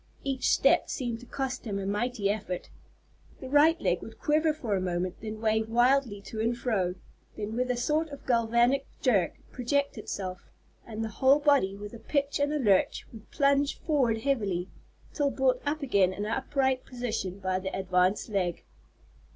Each step seemed to cost him a mighty effort. The right leg would quiver for a moment, then wave wildly to and fro, then with a sort of galvanic jerk project itself, and the whole body, with a pitch and a lurch, would plunge forward heavily, till brought up again in an upright position by the advanced leg.